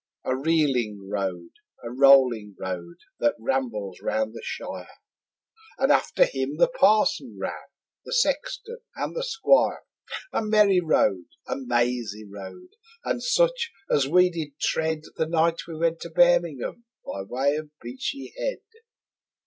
A reeling road, a rolling road, that rambles round the shire, And after him the parson ran, the sexton and the squire; A merry road, a mazy road, and such as we did tread The night we went to Birmingham by way of Beachy Head.